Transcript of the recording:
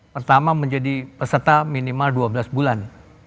pertama menjadi peserta minimal dua belas bulan